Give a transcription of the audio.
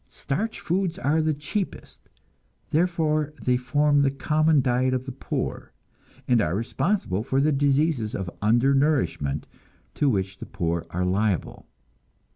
Starch foods are the cheapest, therefore they form the common diet of the poor, and are responsible for the diseases of undernourishment to which the poor are liable.